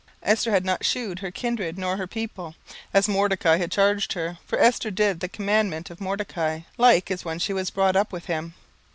17:002:020 Esther had not yet shewed her kindred nor her people; as Mordecai had charged her: for Esther did the commandment of Mordecai, like as when she was brought up with him.